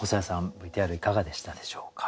ＶＴＲいかがでしたでしょうか？